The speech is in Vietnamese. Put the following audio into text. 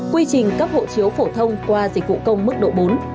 quy trình cấp hộ chiếu phổ thông qua dịch vụ công mức độ bốn